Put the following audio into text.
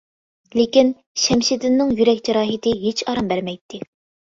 لېكىن، شەمشىدىننىڭ يۈرەك جاراھىتى ھېچ ئارام بەرمەيتتى.